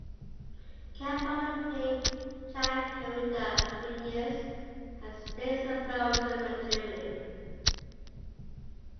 Campolo played Chacarita Juniors and had stints in Belgium and Germany.